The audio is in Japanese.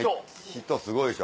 人すごいでしょ。